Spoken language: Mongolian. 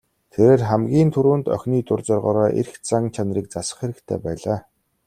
Тэрээр хамгийн түрүүнд охины дур зоргоороо эрх зан чанарыг засах хэрэгтэй байлаа.